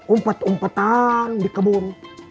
umpet umpetan di kebun